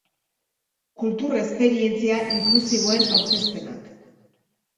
Kultur esperientzia inklusiboen aurkezpenak.